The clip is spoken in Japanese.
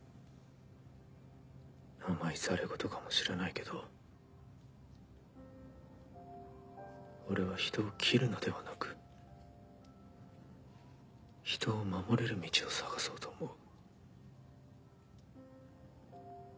甘い戯言かもしれないけど俺は人を斬るのではなく人を守れる道を探そうと思う。